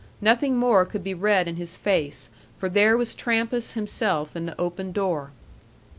Nothing more could be read in his face, for there was Trampas himself in the open door.